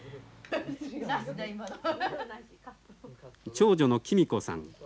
長女の貴実子さん。